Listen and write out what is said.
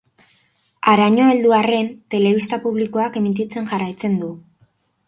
Haraino heldu arren, telebista publikoak emititzen jarraitzen du.